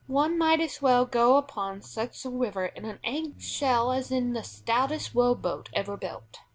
One might as well go upon such a river in an egg shell as in the stoutest row boat ever built.